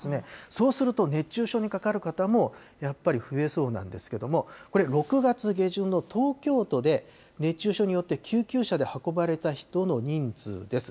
そうすると、熱中症にかかる方もやっぱり増えそうなんですけれども、これ、６月下旬の東京都で熱中症によって救急車で運ばれた人の人数です。